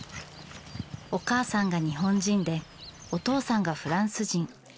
お母さんが日本人でお父さんがフランス人。